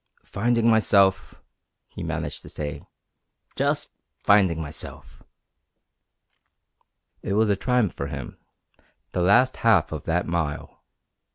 "Finding myself," he managed to say. "Just finding myself!" It was a triumph for him the last half of that mile.